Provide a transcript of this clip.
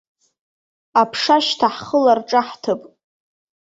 Аԥша ашьҭа ҳхылар ҿаҳҭып.